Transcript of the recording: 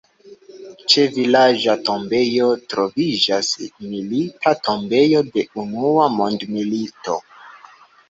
Ĉe vilaĝa tombejo troviĝas milita tombejo de unua mondmilito.